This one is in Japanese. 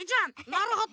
なるほど。